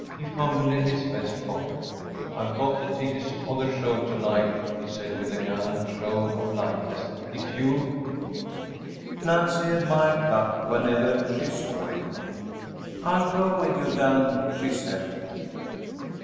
He fumbled in his vest pocket. “I’ve got the tickets for the show to night,‚ÄĚ he said, with a gallant show of lightness. “If you‚ÄĒ‚ÄĚ Nancy admired pluck whenever she saw it. “I’ll go with you, Dan,‚ÄĚ she said.